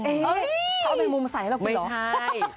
เขาเอาแมงมุมมาใส่ให้เรากินเหรอไม่ใช่